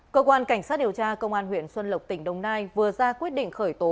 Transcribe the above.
cơ quan cảnh sát điều tra công an huyện xuân lộc tỉnh đồng nai vừa ra quyết định khởi tố